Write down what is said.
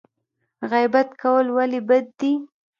غیبت کول ولې بد دي؟